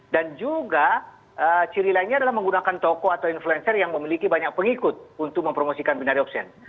dan juga ciri lainnya adalah menggunakan toko atau influencer yang memiliki banyak pengikut untuk mempromosikan binari option